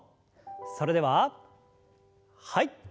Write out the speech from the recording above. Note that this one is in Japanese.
それでははい。